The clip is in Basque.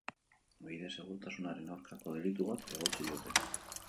Bide segurtasunaren aurkako delitu bat egotzi diote.